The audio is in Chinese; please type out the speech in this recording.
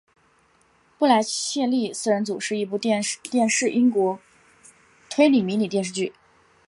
布莱切利四人组是一部电视英国推理迷你电视剧。